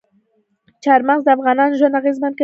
چار مغز د افغانانو ژوند اغېزمن کوي.